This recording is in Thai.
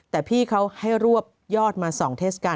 แต่พี่เขาให้รวบยอดมา๒เทศกาล